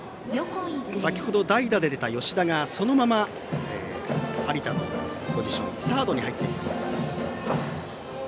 先程、代打で出た吉田がそのまま張田のポジションサードに入っています。